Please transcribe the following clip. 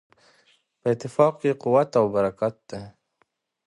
په اتفاق کې قوت او برکت دی.